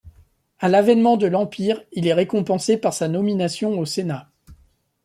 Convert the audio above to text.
À l'avènement de l'Empire, il en est récompensé par sa nomination au Sénat.